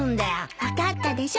分かったでしょ？